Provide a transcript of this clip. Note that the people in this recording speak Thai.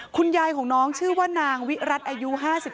คุณยายของน้องชื่อว่านางวิรัติอายุ๕๓